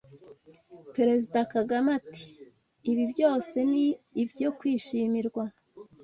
Perezida Kagame ati "Ibi byose ni ibyo kwishimirwa